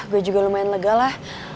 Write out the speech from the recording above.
gue juga lumayan lega lah